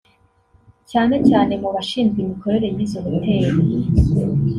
cyane cyane mu bashinzwe imikorere y’izo hoteli